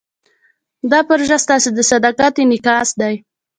دا پروژه ستاسو د صداقت انعکاس دی.